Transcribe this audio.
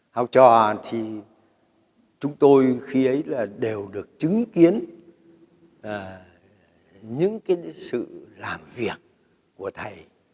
học trò thì chúng tôi khi ấy là đều được chứng kiến những cái sự làm việc của thầy